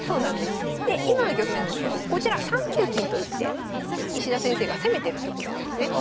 で今の局面なんですけどこちら３九金と打って石田先生が攻めてる局面なんですね。